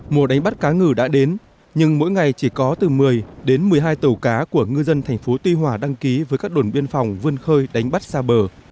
mùa đánh bắt cá ngừ đã đến nhưng mỗi ngày chỉ có từ một mươi đến một mươi hai tàu cá của ngư dân thành phố tuy hòa đăng ký với các đồn biên phòng vươn khơi đánh bắt xa bờ